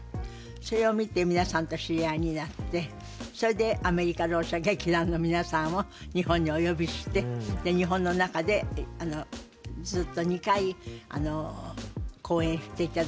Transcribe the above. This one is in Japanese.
それを見て皆さんと知り合いになってそれでアメリカろう者劇団の皆さんを日本にお呼びして日本の中でずっと２回公演していただいて。